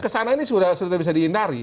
kesana ini sudah bisa dihindari